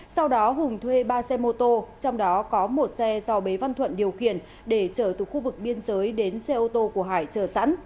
sau đó hùng thuê ba xe mô tô trong đó có một xe do bế văn thuận điều khiển để chở từ khu vực biên giới đến xe ô tô của hải chờ sẵn